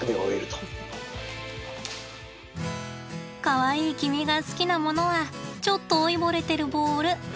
かわいい君が好きなものはちょっと老いぼれてるボールってわけなのね。